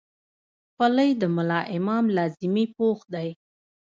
خولۍ د ملا امام لازمي پوښ دی.